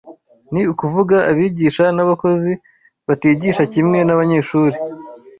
ni ukuvuga abigisha n'abakozi batigisha kimwe n'abanyeshuri